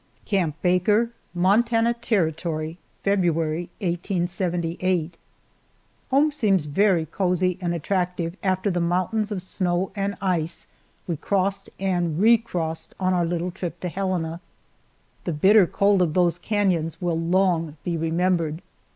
CAMP BAKER, MONTANA TERRITORY, February, 1878. HOME seems very cozy and attractive after the mountains of snow and ice we crossed and re crossed on our little trip to Helena. The bitter cold of those canons will long be remembered.